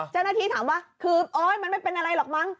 เจ้าหน้าที่ถามว่าคือโอ๊ยมันไม่เป็นอะไรหรอกมั้ง